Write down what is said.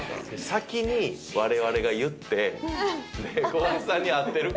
先に我々が言って小林さんに合ってるかを。